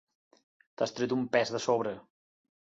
T'has tret un pes de sobre.